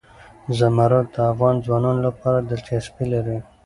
زمرد د افغان ځوانانو لپاره دلچسپي لري.